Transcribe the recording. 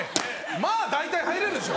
まぁ大体入れるでしょ。